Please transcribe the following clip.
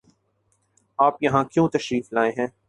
آپ یہاں کیوں تشریف لائے ہیں؟